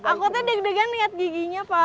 aku aja deg degan lihat giginya pak